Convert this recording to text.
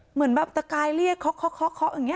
เหมือนแบบตะกายเรียกเคาะอย่างนี้